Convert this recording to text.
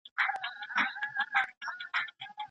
د مخطی مقصد د طلاق لفظ نه وي.